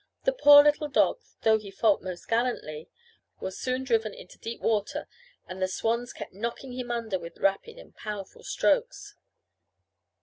The poor little dog, though he fought most gallantly, was soon driven into deep water, and the swans kept knocking him under with rapid and powerful strokes.